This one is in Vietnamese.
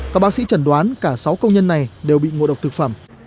các bác sĩ chẩn đoán cả sáu công nhân này đều bị ngộ độc thực phẩm